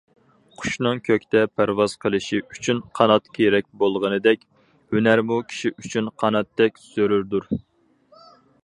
قۇشنىڭ كۆكتە پەرۋاز قىلىشى ئۈچۈن قانات كېرەك بولغىنىدەك، ھۈنەرمۇ كىشى ئۈچۈن قاناتتەك زۆرۈردۇر.